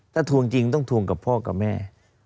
ถ้าทวงจริงต้องทวงกับพ่อกับแม่